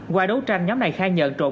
qua đấu tranh nhóm này khai nhận trộm